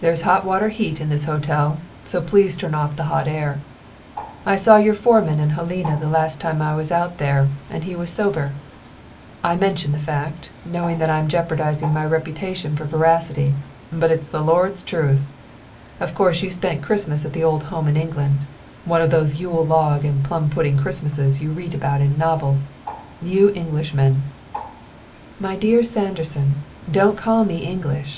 "There's hot water heat in this hotel, so please turn off the hot air. I saw your foreman in Helena the last time I was out there, and he was sober. I mention the fact, knowing that I'm jeopardizing my reputation for veracity, but it's the Lord's truth. Of course you spent Christmas at the old home in England one of those yule log and plum pudding Christmases you read of in novels. You Englishmen " "My dear Sanderson, don't call me English!